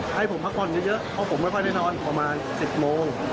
ให้ผมพักผ่อนเยอะเอาผมไว้ไว้ได้นอนประมาณ๑๐โมง